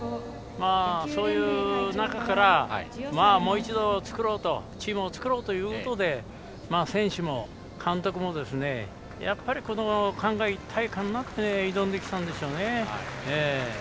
そういう中から、もう一度チームを作ろうということで選手も監督もやっぱり一体になって挑んできたんでしょうね。